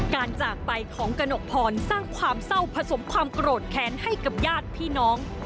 จากไปของกระหนกพรสร้างความเศร้าผสมความโกรธแค้นให้กับญาติพี่น้อง